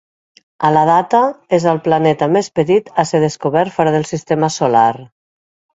A la data, és el planeta més petit a ser descobert fora del sistema solar.